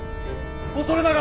恐れながら。